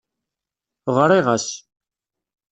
Ɣriɣ-as.